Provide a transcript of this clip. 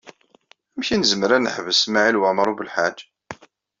Amek i nezmer ad neḥbes Smawil Waɛmaṛ U Belḥaǧ?